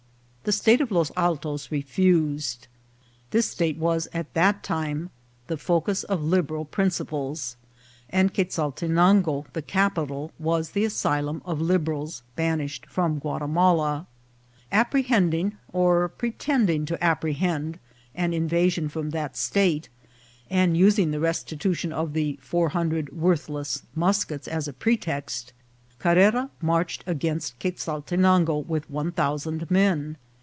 The State of Los Altos refused. This state was at that time the focus of Liberal principles, and Quezaltenango, the capital, was the asylum of Liberals banished from Guatimala. Appre hending, or pretending to apprehend, an invasion from that state, and using the restitution of the four hundred worthless muskets as a pretext, Carrera marched against Quezaltenango with one thousand men.